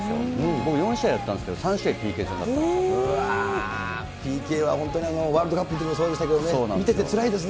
僕４試合やったんですけど、ＰＫは本当にワールドカップのときもそうでしたけどね、見ててつらいですね。